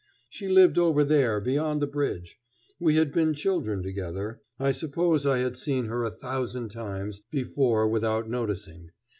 She lived over there beyond the bridge. We had been children together. I suppose I had seen her a thousand times before without noticing.